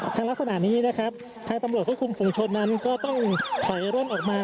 ลักษณะนี้นะครับทางตำรวจควบคุมฝุงชนนั้นก็ต้องถอยร่นออกมา